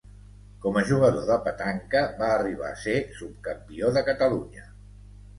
Com a jugador de petanca, va arribar a ser subcampió de Catalunya.